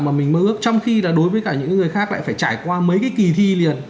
mà mình mơ ước trong khi là đối với cả những người khác lại phải trải qua mấy cái kỳ thi liền